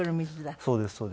そうですそうです。